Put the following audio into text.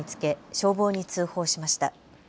消防に通報しました。